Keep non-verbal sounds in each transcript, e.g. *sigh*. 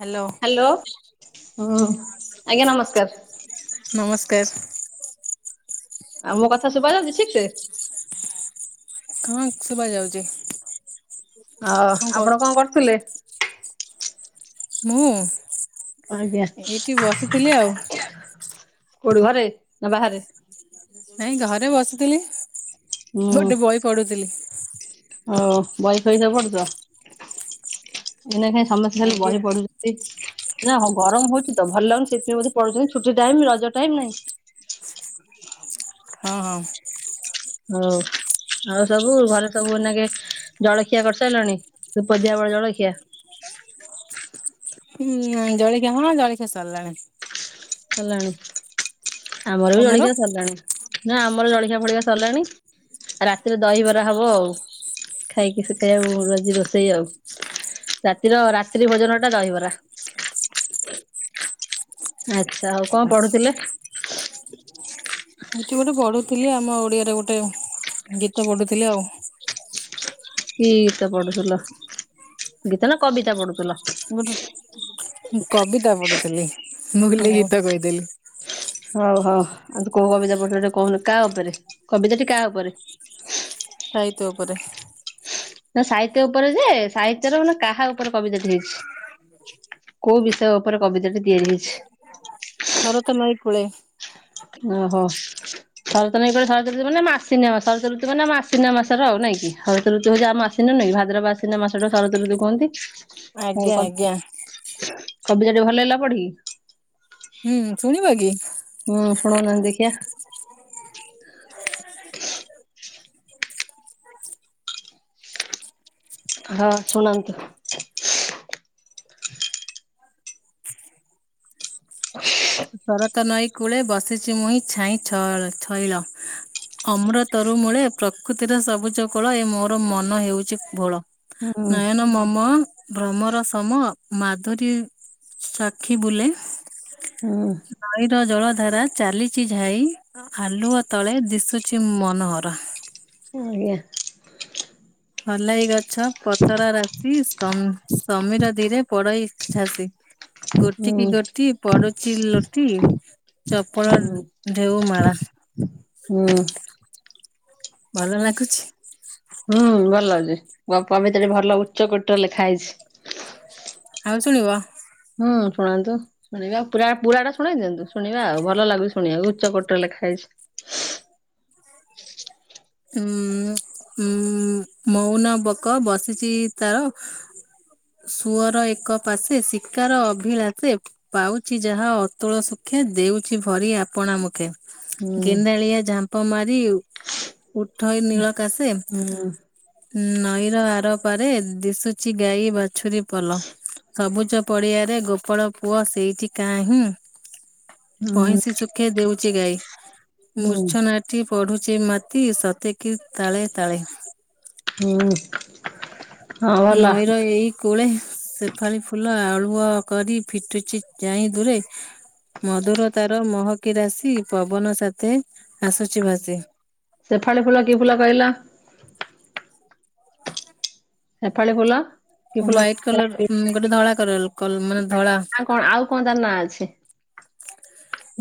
Hello hello, ହୁଁ ଆଜ୍ଞା ନମସ୍କାର। ନମସ୍କାର। ଆଉ ମୋ କଥା ଶୁବା ଯାଉଛି ଠିକ୍ ସେ? ହଁ ଶୁବା ଯାଉଛି। ହ ଆପଣ କଣ କରୁଥିଲେ? ମୁଁ ଆଜ୍ଞା। ଏଇଠି ବସିଥିଲି ଆଉ। କୋଉଠି ଘରେ ନା ବାହାରେ? ନାଇଁ ଘରେ ବସିଥିଲି ଗୋଟେ ବହି ପଢ଼ୁଥିଲି। ହ ବହି ପହି ସବୁ ପଡ଼ୁଛ? ଏନା କାଇଁ ସମସ୍ତେ ଖାଲି ଆଜ୍ଞା ବହି ପଢ଼ୁଛନ୍ତି। ନା ହଁ ଗରମ ହଉଛି ତ ଭଲ ଲାଗୁନି ସେଥିପାଇ ପଢ଼ୁଛନ୍ତି ଛୁଟି ଟାଇମ୍, ରଜ ଟାଇମ ନାଇଁ। ହଁ ହଁ। ହ ଆଉ ସବୁ ଘରେ ସବୁ ନାକେ ଜଳଖିଆ କରିସାରିଲାଣି ପଦିଆ ବେଳ ଜଳଖିଆ? ହଁ ଜଳିଖିଆ ହଁ ଜଳିଖିଆ ସରିଲାଣି। ସରିଲାଣି ଆମର ବି ତମର? ଜଳିଖିଆ ସରିଲାଣି। ନା ଆମର ଜଳିଖଆ ଫଳିକା ସରିଲାଣି ରାତିରେ ଦହିବରା ହବ ଆଉ। ଖାଇକି ସେଠି ଆଉ ଆଜି ରୋଷେଇ ଆଉ ରାତିର ରାତ୍ରି ଭୋଜନ ଟା ଦହିବରା। ଆଚ୍ଛା ଆଉ କଣ ପଢ଼ୁଥିଲେ? ଏଠି ଗୋଟେ ବଢୁଥିଲି ଆମ ଓଡ଼ିଆର ଗୋଟେ ଗୀତ ବଢୁଥିଲି ଆଉ। କି ଗୀତ ପଢ଼ୁଥିଲ? ଗୀତ ନା କବିତା ପଢ଼ୁଥିଲ? ଗୋଟେ କବିତା ପଢ଼ୁଥିଲି, ମୁହଲିରେ ହଉ ଗୀତ କହିଦେଲି। ହଉ ହଉ ଆଉ ତୁ କୋଉ କବିତା ପଢୁଥିଲୁ ଟିକେ କହୁନୁ କାହା ଉପରେ କବିତା ଟି କାହା ଉପରେ? ସାହିତ୍ୟ ଉପରେ। ନା ସାହିତ୍ୟ ଉପରେ ଯେ, ସାହିତ୍ୟର ମାନେ କାହା ଉପରେ କବିତା ଟି ହେଇଛି? କୋଉ ବିଷୟ ଉପରେ କବିତା ଟି ତିଆରି ହେଇଛି? ହରତ ନଈ କୂଳେ। ଓହୋ। ଶରତ ନଈକୂଳେ ଶରତ ଋତୁ ମାନେ ଆମ ଆଶ୍ଵିନ ମାସ ଶରତ ଋତୁ ମାନେ ଆଶ୍ଵିନ ମାସର ଆଉ ନାଇଁ କି *unintelligible* ନାଇଁ ଭାଦ୍ରବ ଆଶ୍ଵିନ ମାସଟା ଶରତ ଋତୁ କହନ୍ତି। ଆଜ୍ଞା ଆଜ୍ଞା *unintelligible* କବିତା ଟି ଭଲ ଲାଗିଲା ପଢ଼ିକି? ହୁଁ ଶୁଣିବ କି? ହୁଁ ଶୁଣୋଉନାହାନ୍ତି ଦେଖିଆ। ହଁ ଶୁଣନ୍ତୁ। *inaudible* ଶରତ ନଈ କୂଳେ ବସିଛି ମୁଇିଁ ଛାଇଁ ଛ ଛଇଳ ଅମୃତରୁ ମୂଳେ ପ୍ରକୃତିର ସବୁଜ କୋଳ ଏ ମୋର ମନ ହେଉଛି ଭୋଳ ହୁଁ ନୟନ ମମମା ଭ୍ରମର ସମ ମାଧୁରୀ ଚାକ୍ଷୀ ବୁଲେ। ହୁଁ। ନଈ ର ଜଳ ଧାରା ଚାଲିଛି ଝାଇ ଆଲୁଅ ତଳେ ଦିଶୁଚି ମନୋହରା *unintelligible* ହଲାଇ ଗଛ ପତରା ରାଶି ସମ୍ ସମୀର ଧିରେ ପଡଇ ଛାସି ଗୋଟି କି ହୁଁ ଗୋଟି ପଡୁଛି ଲୋଟି ଚପଳ ହୁଁ। ଢେଉମାଳା ହୁଁ। ଭଲ ଲାଗୁଛି। ହୁଁ ଭଲ ଅଛି ଗପ ଭିତରେ ଭଲ ଉଚ୍ଚ କୋଟି ର ଲେଖା ହେଇଛି। ଆଉ ଶୁଣିବ। ହୁଁ ଶୁଣାନ୍ତୁ। ଶୁଣିବା ପୁରା ପୁରାଟା ଶୁଣେଇ ଦିଅନ୍ତୁ ଶୁଣିବା ଆଉ ଭଲ ଲାଗୁଛି ଶୁଣିବାକୁ ଉଚ୍ଚ କୋଟିର ଲେଖା ହେଇଛି। ଉଁ ଉଁ ମୋଉନ ବକ ବସିଛି ତାର ସୁଅର ଏକ ପାଶେ ଶିକାର ଅଭିଳାଷେ ପାଉଛି ଯାହା ଅତୁଳ ଶୁଖେ ଦେଉଛି ଭରି ଆପଣା ମୁଖେ। ହୁଁ ଗେଣ୍ଡାଳିଆ ଝାମ୍ପ ମାରି ଉ ଉଠଇ ନୀଳ କାଶେ ହୁଁ ନଈର ଆରପାରେ ଦିଶୁଚି ଗାଈ ବାଛୁରୀ ପଲ। ସବୁଜ ପଡିଆରେ ଗୋପାଳ ପୁଅ ସେଇଠି କାହିଁ *inaudible* ପଇଁଶି ଶୁଖେ ଦେଉଛି ଗାଈ ହୁଁ ମୂର୍ଛନାଟି ପଢୁଛି ମା ଟି ସତେ କି ତାଳେ ତାଳେ। ହୁଁ। ହଁ ଭଲ। ନଈର ଏଇ କୂଳେ ସେଫାଳି ଫୁଲ ଆଳୁଅ କରି ଫିଟୁଛି ଯାଇ ଦୂରେ ମଧୁର ତାର ମହକି ରାଶି ପବନ ସାଥେ ଆସୁଛି ଭାସି। ସେଫାଳି ଫୁଲ କି ଫୁଲ କହିଲ? ସେଫାଳି ଫୁଲ। କି ଫୁଲ ହ୍ୱାଇଟ କଲର ଉଁ ଗୋଟେ ଧଳା କଲର କଲ ମାନେ ଧଳା। କଣ ଆଉ କଣ ତାର ନାଁ ଅଛି?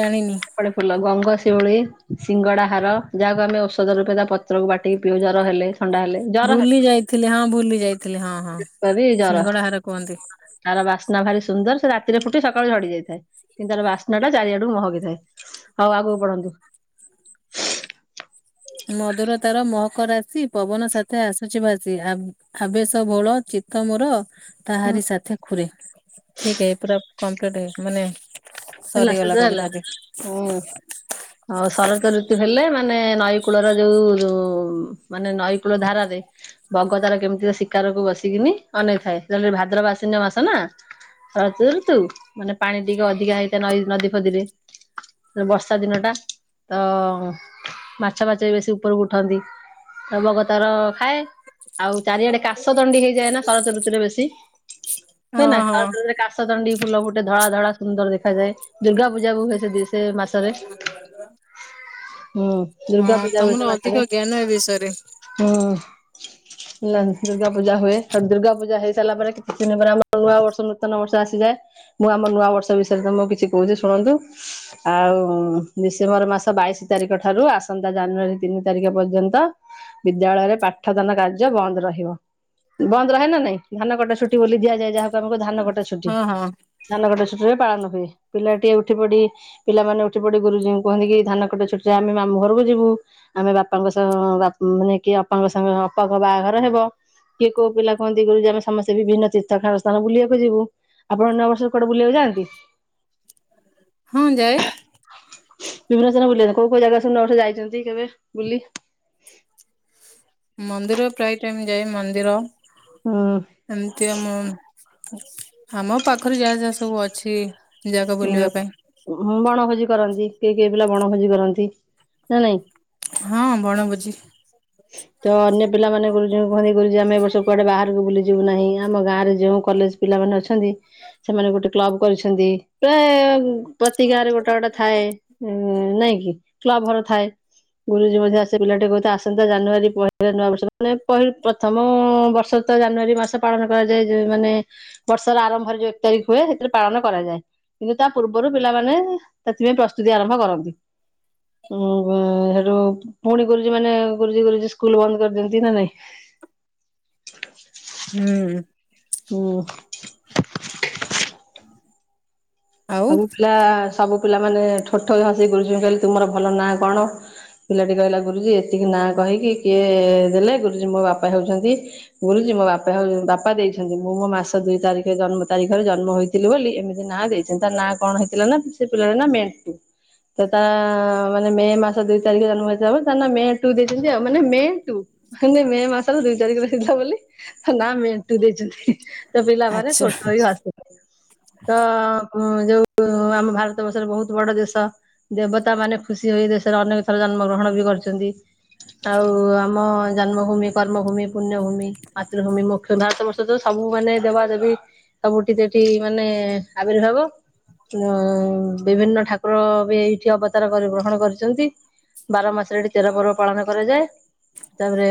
ଜାଣିନି। ଶେଫାଳି ଫୁଲ ଗଙ୍ଗଶିଉଳି ସିଙ୍ଗଡାହାର, ଯାହାକୁ ଆମେ ଔଷଧ ରୂପେ ତା ପତ୍ରକୁ ବାଟ ଟି ପିଉ ଜର ହେଲେ, ଥଣ୍ଡା ହେଲେ। ଜର ଭୁଲି ଯାଇଥିଲି ହଁ ଭୁଲି ଯାଇଥିଲି ହଁ ହଁ ହେଲେ ଜର ସିଙ୍ଗଡା ହାର କୁହନ୍ତି। ତାର ବାସ୍ନା ଭାରି ସୁନ୍ଦର ସେ ରାତିରେ ଫୁଟି ସକାଳେ ଝଡି ଯାଇଥାଏ। କିନ୍ତୁ ତାର ବାସ୍ନା ଟା ଚାରିଆଡକୁ ମହକି ଥାଏ। ହଉ ଆଗକୁ ପଢନ୍ତୁ। ମଧୁର ତାର ମହକ ରାତି ପବନ ସାଥ ଆସୁଛି ଭାସି ଆ ଉଁ ହାବେଶ ଭୋଳ ଚିତ ମୋର ତାହାରି ସାଥେ ଖୁରେ ଠିକ ଏଇ ପୁରା କମ୍ପ୍ଲିଟ ହେଇ ମାନେ ହେଲା ସରିଗଲା ଶେଜ ହେଲା। କବିତାଟି। ହୁଁ। ଆଉ ଶରତ ଋତୁ ହେଲେ ମାନେ ନଈ କୂଳର ଯୋଉ ଯୋଉ ଉଁ ମାନେ ନଈକୂଳ ଧାରାରେ ବଗ ତାର କେମିତି ଶିକାରକୁ ବସିକିନି ଅନେଇଥାଏ *unintelligible* ଭାଦ୍ରବ ଆଶ୍ୱିନମାସ ନା ସରତଋତୁ ମାନେ ପାଣି ଟିକେ ଅଧିକା ହେଇଥାଏ ନଈ ନଦୀ ଫଦୀରେ। ବର୍ଷା ଦିନ ଟା ତ ମାଛ ଫାଛ ବି ବେଶୀ ଉପରକୁ ଉଠନ୍ତି। ତ ବଗ ତାର ଖାଏ। ଆଉ ଚାରିଆଡେ କାଶ ଦଣ୍ଡି ହେଇଯାଏ ନା ଶରତ ଋତୁରେ ବେଶୀ ହୁଏ ହଁ ନା ଶରତ ହଁ। ଋତୁରେ କାଶ କାସତଣ୍ଡି ଫୁଲ ଗୁଟେ ଧଳା ଧଳା ସୁନ୍ଦର ଦେଖାଯଏ ଦୁର୍ଗା ପୂଜା କୁ ହୁଏ ସେବି ସେ ମାସ ହୁଁ ଦୁର୍ଗା ହଁ ପୂଜା ହୁଏ ସେ ତମର ଅଧିକ ମାସରେ। ଜ୍ଞାନ ଏ ବିଷୟରେ ହୁଁ। ନା ଦୁର୍ଗା ପୂଜା ହୁଏ ଆ ଦୁର୍ଗାୂପୁଜା ହେଇସାରିଲା ପରେ କିଛି ଦିନ ପରେ ଆମର ନୂଆ ବର୍ଷ ନୂତନ ବର୍ଷ ଆସିଯାଏ। ମୁଁ ଆମ ନୂଆ ବର୍ଷ ବିଷୟରେ ତମକୁ କିଛି କୋହୁଚି ଶୁଣନ୍ତୁ। ଆଉ ଡିସେମ୍ବର ମାସ ବାଇଶି ତାରିଖ ଠାରୁ ଆସନ୍ତା ଜାନୁଆରୀ ତିନି ତାରିଖ ପର୍ଯ୍ୟନ୍ତ ବିଦ୍ୟାଳୟରେ ପାଠଦାନ କାର୍ଯ୍ୟ ବନ୍ଦ ରହିବ ବନ୍ଦ ରହେ ନା ନାଇଁ? ଧାନ କଟା ଛୁଟି ବୋଲି ଦିଆଯାଏ ଯାହାକୁ ଆମ କହୂ ଧାନ କଟା ଛୁଟି ହଁ ହଁ ଧାନ କଟା ଛୁଟିରେ ପାଳନ ହୁଏ ପିଲା ଟିଏ ଉଠି ପଡି ପିଲାମାନେେ ଉଠି ପଡି ଗୁରୁଜୀଙ୍କୁ କୁହନ୍ତି କି ଧାନ କଟା ଛୁଟି ରେ ଆମେ ମାମୁଁ ଘରକୁ ଯିବୁ। ଆମେ ବାପାଙ୍କ ସହ ବା ଉଁ ମାନେ କି ଅପାଙ୍କ ସାଙ୍ଗ ଅପାଙ୍କ ବାହାଘର ହବ। କିଏ କୋଉ ପିଲା କହନ୍ତି ଗୁରୁଜୀ ଆମେ ସମସ୍ତେ ବି ଭିନ୍ନ ତୀର୍ଥ ସ୍ଥାନ ବୁଲିବାକୁ ଯିବୁ। ଆପଣ ନୂଆ ବର୍ଷରେ କୁଆଡେ ବୁଲିବାକୁ ଯଆନ୍ତି? ହଁ ଯାଏ। ବିଭିନ୍ନ *unintelligible* କୋଉ କୋଉ ଜାଗା ସବୁ *unintelligible* ଯାଇଚନ୍ତି କେବେ ବୁଲି? ମନ୍ଦିର ପ୍ରାୟେ ଟାଇମ ଯାଏ ମନ୍ଦିର। *unintelligible* ଏମିତି ଆମ ଆମ ପାଖରେ ଯାଆ ଯାଆ ସବୁ ଅଛି। ଏ ଜାଗା ବୁଲିବା ପାଇଁ। ବଣଭୋଜି କରନ୍ତି କିଏ କିଏ ପିଲା ବଣଭୋଜି କରନ୍ତି ନାା ନାଇଁ। ହଁ ବଣ ଭୋଜି। *inaudible* ତ ଅନ୍ୟ ପିଲାମାନେ ଗୁରୁଜୀ ଙ୍କୁ କହନ୍ତି ଗୁରୁଜୀ ଆମେ ଏ ବର୍ଷ କୁଆଡେ ବାହାରକୁ ବୁଲିିବୁ ନାହିଁ ଆମ ଗାଁରେ ଯେଉଁ କଲେଜ ପିଲାମାନେ ଅଛନ୍ତି ସେମାନେ ଗୋଟେ କ୍ଲବ କରିଛନ୍ତି ପ୍ରାୟେ ପ୍ରତି ଗାଁ ରେ ଗୋଟେ ଗୋଟେ ଥାଏ ଉଁ ନାଇଁ କି କ୍ଲବଘର ଥାଏ। ଗୁରୁଜୀ *unintelligible* ଆସେ ପିଲାଟି କୋହୁଥାଏ ଆସନ୍ତା ଜାନୁଆରୀ। *unintelligible* ପ୍ରଥମ ବର୍ଷ ତ ଜାନୁଆରୀ ମାସ ପାଳନ କରାଯାଏ ମାନେ ବର୍ଷର ଆରମ୍ଭରେ ଯୋଉ ଏକ ତାରିକ ହୁଏ ହେଥିରେ ପାଳନ କରାଯାଏ। କିନ୍ତୁ ତା ପୂର୍ବରୁ ପିଲାମାନେ ସେଥିପାଇଁ ପ୍ରସ୍ତୁତି ଆରମ୍ଭ କରନ୍ତି। ହୁଁ ହୁଁ ହେଟୁ ପୁଣି ଗୁରୁଜୀ ମାନେ ଗୁରୁଜୀ ଗୁରୁଜୀ ସ୍କୁଲ ବନ୍ଦ କରିଦିଅନ୍ତି ନା ନାଇଁ? ହୁଁ ହୁଁ। ଆଉ ସବୁ ପିଲା ସବୁ ପିଲା ମାନେ ଠୋ ଠୋ କି ହସି କିଗୁରୁଜୀ ଙ୍କୁ କହିଲେ ତୁମର ଭଲ ନାଁ କଣ? ପିଲାଟି କହିଲା ଗୁରୁଜୀ ଏତିକି ନାଁ କହିକି କିଏ ଦେଲେ ଗୁରୁଜୀ ମୋ ବାପା ହେଉଛନ୍ତି ଗୁରୁଜୀ ମୋ ବାପା ବାପା ଦେଇଛନ୍ତି ମୁଁ ମୋ ମାସ ଦୁଇ ତାରିଖ ଜନ୍ମ ତାରିଖରେ ଜନ୍ମ ହୋଇଥିଲି ବୋଲି ଏମିତି ନାଁ ଦେଇ *unintelligible* ନାଁ କଣ ହେଇଥିଲା ନା ସେ ପିଲାଟା ନା ମେଣ୍ଟୁ। ତ ତା ମାନେ ମେ ମାସ ଦିଇ ତାରିଖ ଜନ୍ମ ହେଇ ମେ ଟୁ ଦେଇଛନ୍ତି ଆଉ ମାନେ ମେ ଟୁ। *unintelligible* ମେ ମାସର ଦୁଇ ଚାରିଖ ରେ ହେଇଥିଲା ବୋଲି ତା ନାଁ ମେଣ୍ଟୁ ଦେଇଚନ୍ତି। ତ ପିଲା ମାନେ ଠୋ ଆଚ୍ଛା ଠୋ ହେଇକି ହସିଲେ ତ ଉଁ ଯୋଉ ଆମ ଭାରତ ବର୍ଷର ବହୁତ ବଡ ଦେଶ ଦେବତା ମାନେ ଖୁସି ହୋଇ ଦେଶରେ ଅନେକ ଥର ଜନ୍ମ ଗ୍ରହଣ ବି କରିଛନ୍ତି ଆଉ ଆମ ଜନ୍ମଭୂମି କର୍ମଭୂମି ପୁଣ୍ୟଭୂମି ମାତୃଭୂମି ମୁଖ ତଃ ବର୍ଷ ତ ସବୁ ମାନେ ଦେବା ଦେବି ସବୁଠି ସେଠି ମାନେ ଆବିର୍ଭାବ ଉ ବିଭିନ୍ନ ଠାକୁର ବି ଏଇଠି ଅବତାର କରି ଗ୍ରହଣ କରିଛନ୍ତି ବାର ମାସରେ ଏଠି ତେର ପର୍ବ ପାଳନ କରାଯାଏ ତାପରେ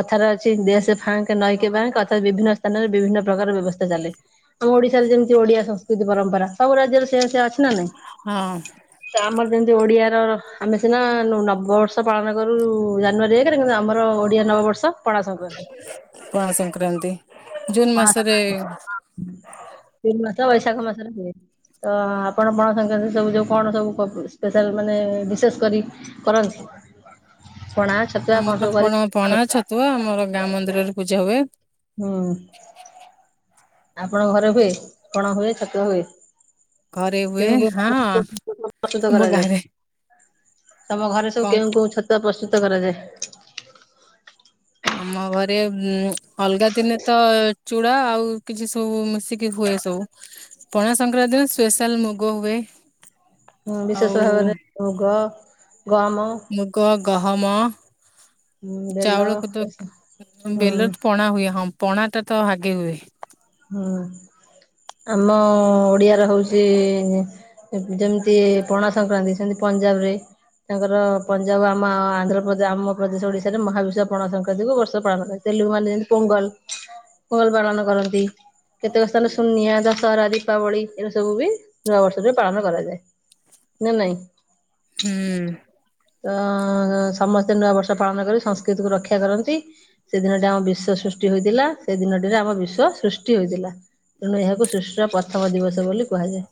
କଥାର ଅଛି ଦେଶ ଫାଙ୍କେ ନଈକେ ଫାଙ୍କେତ ତଥା ବିଭିନ୍ନ ସ୍ଥାନରେ ବିଭିନ୍ନ ପ୍ରକାର ବ୍ୟବସ୍ଥା ଚାଲେ ଆମ ଓଡିଶାରେ ଯେମିତି ଓଡିଆ ସଂସ୍କୃତି ପରମ୍ପରା ସବୁ ରାଜ୍ୟରେ ସେ ସେ ଅଛି ନା ନାଇଁ ହୁଁ। ଆମର ଯେମିତି ଓଡିଆ ର ଆମେ ସିନା ନବବର୍ଷ ପାଳନ କରୁ ଜାନୁଆରୀରେ କିନ୍ତୁ ଆମର ଓଡିଆ ନବବର୍ଷ ପଣା ସଂକ୍ରାନ୍ତି ପଣାସଂକ୍ରାନ୍ତି ଜୁନ୍‌ ମାସରେ ଜୁନ୍ ମାସ ବୈଶାଖ ମାସରେ ହୁଏ। ତ ଆପଣ ପଣାସଂକ୍ରାନ୍ତି ସବୁ ଯୋଉ କଣ ସବୁ ସ୍ପେଶାଲ୍ ମାନେ ବିସେସ୍ କରି କରନ୍ତି ପଣା ଛତୁଆ ଆମର ସବୁ କରି କଣ ପଣା ଛତୁଆ ଆମର ଗାଁ ମନ୍ଦିରରେ ପୂଜା ହୁଏ। ହୁଁ ଆପଣଙ୍କ ଘରେ ହୁଏ କଣ ହୁଏ ଛତୁଆ ହୁଏ? ଘରେ କେ ହୁଏ ହଁ *unintelligible* ପ୍ରସ୍ତୁତ ଆମ କରାଯାଏ ଗାଁରେ ତମ ଘରେ ସବୁ କଣ କେଉଁ କେଉଁ ଛତୁଆ ପ୍ରସ୍ତୁତ କରାଯାଏ? ଆମ ଘରେ ଉ ଅଲଗା ଦିନେ ତ ଚୂଡା ଆଉ କିଛି ସବୁ ମିଶିକି ହୁଏ ସବୁ ପଣା ସଂକ୍ରାନ୍ତି ରେ ସ୍ପେଶାଲ ମୁଗ ହୁଏ। ହୁଁ ଆଉ ବିଶେଷ ଭାବରେ ମୁଗ ଗହମ ମୁଗ ଗହମ ବେଲ ଚାଉଳକୁ ଏସବୁ ତ ହୁଁ ବେଲ ପଣା ହୁଏ ହଁ ପଣା ଟା ତ ଆଗେ ହୁଏ। ହୁଁ ଆମ ଓଡିଆ ର ହଉଛି ଯେମିତି ପଣା ସଂକ୍ରାନ୍ତି ସେମିନ୍ତି ପଞ୍ଜାବ ରେ ତାଙ୍କର ପଞ୍ଜାବ ଆମ ଆନ୍ଧ୍ରପ୍ରଦେଶ ଆମ ପ୍ରଦେଶ ଓଡିଶାରେ ମହାବିଶ୍ୱ ପଣା ସଂକ୍ରାନ୍ତିକୁ ବର୍ଷ ପାଳନ କରାଯାଏ। ସେ ଲୋକମାନେ ଯେମିତି ପୋଙ୍ଗଲ ପୋଙ୍ଗଲ ପାଳନ କରନ୍ତି। କେତେକ ସ୍ଥାନ ସୁୁନିଆ ଦଶହରା ଦୀପାବଳି ଏରା ସବୁ ବି ନୂଆବର୍ଷରେ ପାଳନ କରାଯାଏ। ନା ନାଇଁ। ହୁଁ। ତ ସମସ୍ତେ ନୂଆ ବର୍ଷ ପାଳନ କରି ସଂସ୍କୃତିକୁୁ ରକ୍ଷା କରନ୍ତି। ସେଦିନଟି ଆମ ବିଶ୍ଵ ସୃଷ୍ଟି ହୋଇଥିଲା ସେ ଦିନ ରେ ଆମ ବିଶ୍ୱ ସୃଷ୍ଟି ସୃଷ୍ଟି ହେଇଥିଲା ତେଣୁ ଏହାକୁ ସୃଷ୍ଟି ର ପ୍ରଥମ ଦିବସ ବୋଲି କୁହାଯାଏ।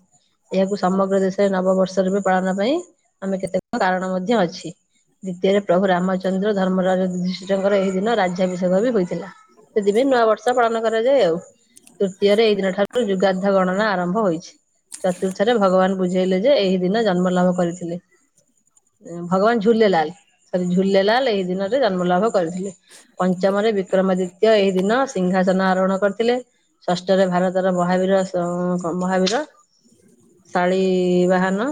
ଏହାକୁ ସମଗ୍ର ଦେଶରେ ନବବର୍ଷ ରୂପେ ପାଳନ ପାଇଁ ଆମେ କେତେକ କାରଣ ମଧ୍ୟ ଅଛି। ଦ୍ୱିତୀୟରେ ପ୍ରଭୁ ରାମଚନ୍ଦ୍ର ଧର୍ମରାଜ ଯୁଧିଷ୍ଠୀରଙ୍କର ଏହି ଦିନ ରାଜ୍ୟାଭିଷେକ ବି ହୋଇଥିଲା ଥିଲା ସେଥିପାଇଁ ନୂଆ ବର୍ଷ ପାଳନ କରାଯାଏ ଆଉ ତୃତୀୟରେ ଏଇ ଦିନ ଠାରୁ ଯୁଗାଧ ଗଣନା ଆରମ୍ଭ ହୋଇଛି ଚତୁର୍ଥରେ ଭଗବାନ ବୁଝେଇଲେ ଯେ ଏହି ଦିନ ଜନ୍ମ ଲାଭ କରିଥିଲେ। ଭଗବାନ ଝୁଲେଲାଲ ସରି ଝୁଲେଲାଲ ଏଇ ଦିନରେ ଜନ୍ମଲାଭ କରିଥିଲେ। ପଞ୍ଚମରେ ବିକ୍ରମାଦିତ୍ୟ ଏହିଇ ଦିନ ସିଂହାସନ ଆରୋହଣ କରିଥିଲେ। ଷଷ୍ଠରେ ଭାରତର ମହାବୀର ମହାବୀର ଶାଳି ବାହାନ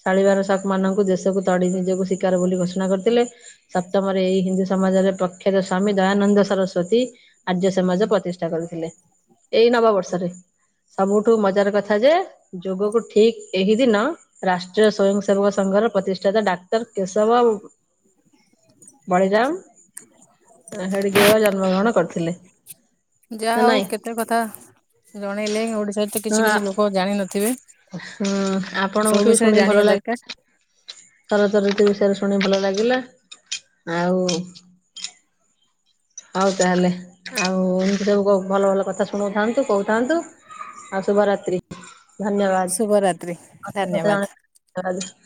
ଶାଳିବାର ଶାକମାନଙ୍କୁ ଦେଶକୁ ତଡ଼ି ନିଜକୁ ଶିକାର ବୋଲି ଘୋଷଣା କରିଥିଲେ। ସପ୍ତମରେ ଏଇ ହିନ୍ଦୁ ସମାଜରେ ପ୍ରଖ୍ୟାତ ସ୍ଵାମୀ ଦୟାନନ୍ଦ ସରସ୍ୱତୀ ଆର୍ଯ୍ୟ ସମାଜ ପ୍ରତିଷ୍ଠା କରିଥିଲେ। ଏଇ ନବବର୍ଷରେ ସବୁଠୁ ମଜାର କଥା ଯେ ଯୋଗକୁ ଠିକ୍ ଏହି ଦିନ ରାଷ୍ଟ୍ରୀୟ ସ୍ଵୟଂ ସେବକ ସଂଘର ପ୍ରତିଷ୍ଠାତା ଡାକ୍ତର କେଶବ ବାବୁ। ବଳିରାମ ହେଡଗେୟ ଜନ୍ମ ଗ୍ରହଣ କରିଥିଲେ। ଯାହା ନା ହଉ ନାଇଁ? କେତେ କଥା ଜଣେଇଲେ ଓଡିଶାର ତ ହଁ କିଛି କିଛି ଲୋକ ଜାଣିିନଥିବେ। ହୁଁ ଆପଣଙ୍କଠୁ ବି ଶୁଣି ଜାଣିବା ଭଲ ଲାଗି ଦରକାର ଶରତ ଋତୁ ବିଷୟରେ ଶୁଣି ଭଲ ଲାଗିଲା। ଆଉ ହଉ ତାହେଲେ ଆଉ ଏମିତି ସବୁ କୋ ଭଲ ଭଲ କଥା ଶୁଣଉଥାନ୍ତୁ କହୁଥାଆନ୍ତୁ। ଆଉ ଶୁଭରାତ୍ରି ଶୁଭରାତ୍ରି ଧନ୍ୟବାଦ। ଧନ୍ୟବାଦ। *unintelligible*